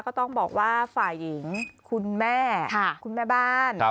ก็ต้องบอกว่าฝ่ายหญิงคุณแม่คุณแม่บ้าน